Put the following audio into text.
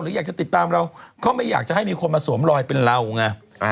อยากจะติดตามเราก็ไม่อยากจะให้มีคนมาสวมรอยเป็นเราไง